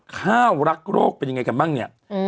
ข้าวรักโรคเป็นยังไงกันบ้างเนี่ย